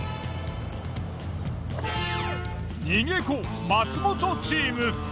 逃げ子松本チーム。